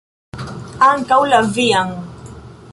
Ankaŭ la vian!